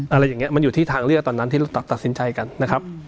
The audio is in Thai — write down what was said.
อะไรอย่างนี้มันอยู่ที่ทางเลือกตอนนั้นที่เราตัดสินใจกันนะครับ